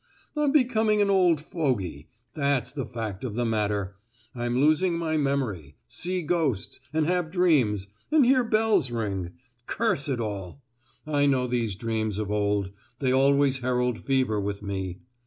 "I'm becoming an old fogey—that's the fact of the matter! I'm losing my memory—see ghosts, and have dreams, and hear bells ring—curse it all! I know these dreams of old, they always herald fever with me.